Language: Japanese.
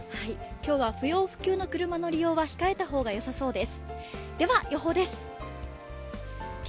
今日は不要不急の車の利用は控えた方がよさそうです。